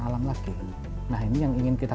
alam lagi nah ini yang ingin kita